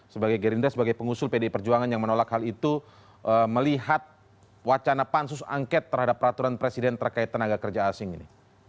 sebagai gerindra sebagai pengusul pdi perjuangan yang menolak hal itu melihat wacana pansus angket terhadap peraturan presiden terkait tenaga kerja asing ini